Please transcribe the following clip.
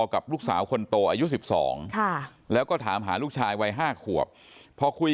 กับลูกสาวคนโตอายุ๑๒แล้วก็ถามหาลูกชายวัย๕ขวบพอคุย